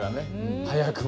早くも。